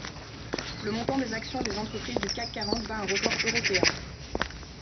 Le montant des actions des entreprises du CAC quarante bat un record européen.